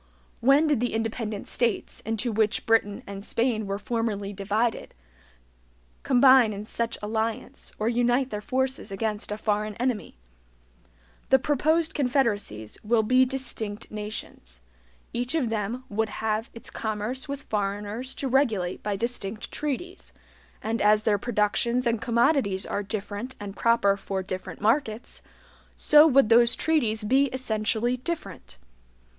When did the independent states, into which Britain and Spain were formerly divided, combine in such alliance, or unite their forces against a foreign enemy? The proposed confederacies will be DISTINCT NATIONS. Each of them would have its commerce with foreigners to regulate by distinct treaties; and as their productions and commodities are different and proper for different markets, so would those treaties be essentially different.